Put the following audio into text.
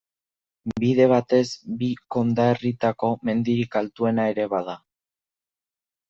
Bide batez bi konderrietako mendirik altuena ere bada.